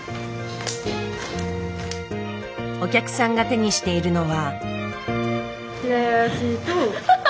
お客さんが手にしているのは。